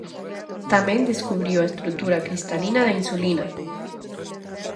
Tamén descubriu a estrutura cristalina da insulina.